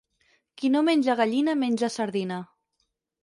Qui no menja gallina menja sardina.